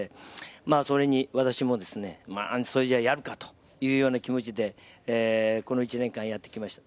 それに私もそれじゃやるか！というような気持ちで、この１年間やってきました。